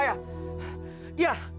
kalian mau mengancam nadia